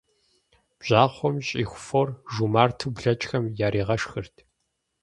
Бжьахъуэм щӀиху фор жумарту блэкӀхэм яригъэшхырт.